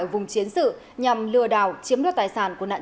ở vùng chiến sự